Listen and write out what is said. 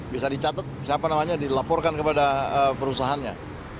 bisa dicatat siapa namanya dilaporkan kepada perusahaannya